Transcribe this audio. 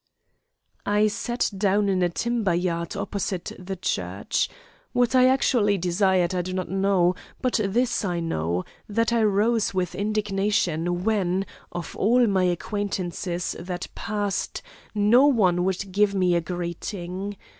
"I sat down in a timber yard opposite the church. What I actually desired I do not know, but this I know, that I rose with indignation; when, of all my acquaintance that passed, not one would give me a greeting.